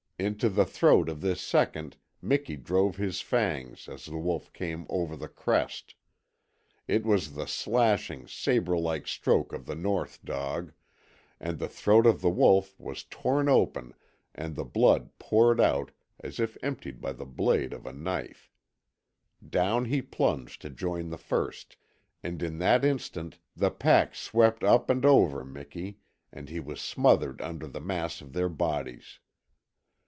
Into the throat of this second Miki drove his fangs as the wolf came over the crest. It was the slashing, sabre like stroke of the north dog, and the throat of the wolf was torn open and the blood poured out as if emptied by the blade of a knife. Down he plunged to join the first, and in that instant the pack swept up and over Miki, and he was smothered under the mass of their bodies.